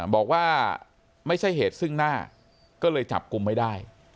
บอกว่าไม่ใช่เหตุซึ่งหน้าก็เลยจับกลุ่มไม่ได้